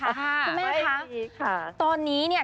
คุณแม่คะตอนนี้เนี่ย